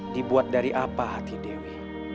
dibuat dari apa hati dewi